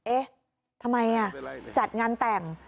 เอ๊ะทำไมจัดงานแต่ง